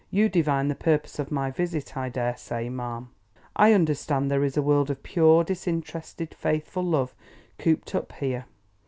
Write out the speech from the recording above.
"You divine the purpose of my visit, I dare say, ma'am. I understand there is a world of pure, disinterested, faithful love cooped up here.